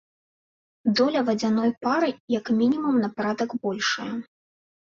Доля вадзяной пары, як мінімум, на парадак большая.